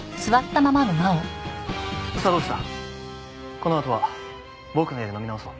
このあとは僕の家で飲み直そう。